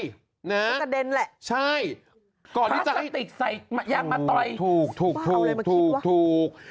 จะกระเด็นแหละพลาสติกใส่ยางมะตอยใช่ถูกถูกถูก